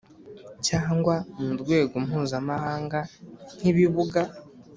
Cyangwa Mu Rwego Mpuzamahanga Nk Ibibuga